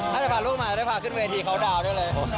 ถ้าจะพาลูกมาได้พาขึ้นเวทีเขาดาวนด้วยเลย